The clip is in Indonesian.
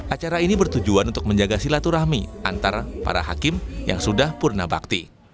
acara ini bertujuan untuk menjaga silaturahmi antar para hakim yang sudah purna bakti